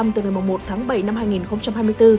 từ ngày một tháng bảy năm hai nghìn hai mươi bốn